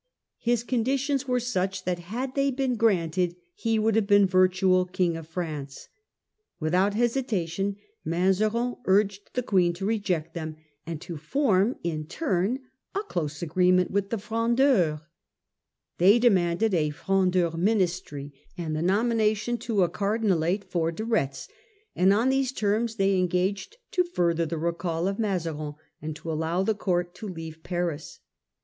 His conditions were such that, had they been granted, he would have been virtual King of France. Without hesitation Mazarin urged the Queen to reject them, and to form in turn a close agreement with the Fgondeurs. 62 The Rebellion of Condi. 1651. They demanded a Frondeur ministry, and the nomina tion to a cardinalate for De Retz ; and on these terms they Alliance of en S a S e< * to ^ urt ^ er recall of Mazarin, and theQueen to allow the court to leave Paris.